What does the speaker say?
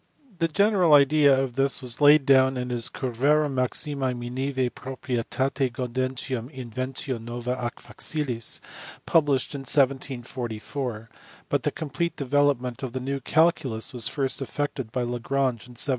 The general idea of this was laid down in his Curvarum Maximi Miniimve Proprietate Gaudentium Inventio Nova ac Facilis published in 1744, but the complete development of the new calculus was first effected by Lagrange in 1759.